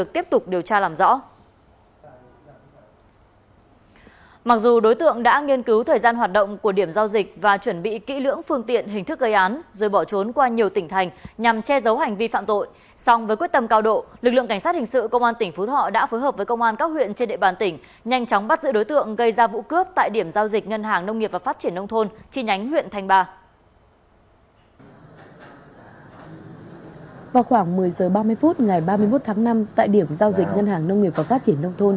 tại địa điểm giao dịch nhân hàng nông nghiệp và phát triển nông thôn